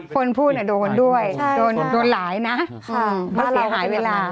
คนพูดเนี่ยโดนคนด้วยโดนหลายนะไม่เสียหายเวลา